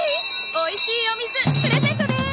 おいしいお水プレゼントです！